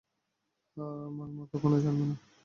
হ্যাঁ, আমার মা কখনোই জানবে না।